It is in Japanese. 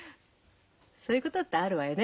そういうことってあるわよね。